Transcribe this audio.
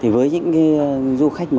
với những du khách